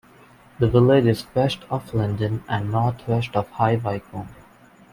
The village is west of London and north west of High Wycombe.